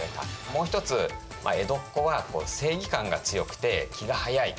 もう一つ江戸っ子は正義感が強くて気が早い。